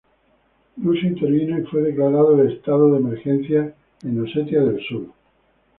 Rusia intervino y fue declarado el estado de emergencia en Osetia del Sur.